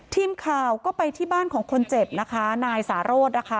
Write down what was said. ทีมข่าวก็ไปที่บ้านของคนเจ็บนะคะนายสารโรธนะคะ